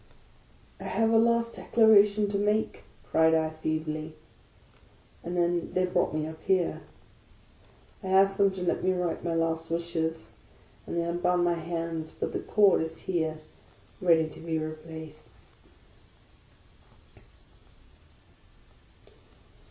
" I have a last declaration to make," cried I, feebly. . And then they brought me up here. I asked them to let me write my last wishes; and they un bound my hands ; but the cord is here, ready to be replaced.